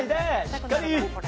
しっかり。